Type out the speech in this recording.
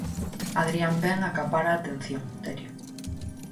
Adrián Ben acapara a atención, Terio.